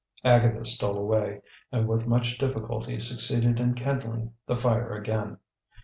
Agatha stole away, and with much difficulty succeeded in kindling the fire again.